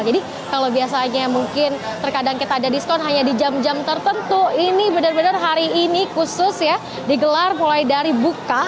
jadi kalau biasanya mungkin terkadang kita ada diskon hanya di jam jam tertentu ini benar benar hari ini khusus ya digelar mulai dari buka